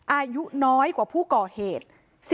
อายุน้อยกว่าผู้ก่อเหตุ